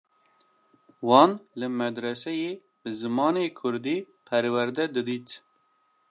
Wan li medreseyê bi zimanê Kurdî perwerde didît.